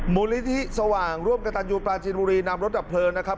มูลนิธิสว่างร่วมกระตันยูปลาจินบุรีนำรถดับเพลิงนะครับ